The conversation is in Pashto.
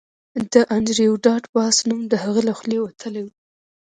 د انډریو ډاټ باس نوم د هغه له خولې وتلی و